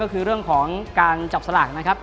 ก็คือเรื่องของการจับสลากนะครับ